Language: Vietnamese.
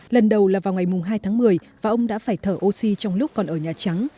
lần đầu là vào ngày hai tháng một mươi và ông đã phải thở oxy trong lúc còn ở nhà trắng